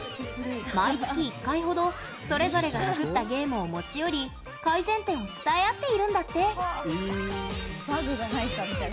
毎月１回程、それぞれが作ったゲームを持ち寄り改善点を伝え合っているんだって。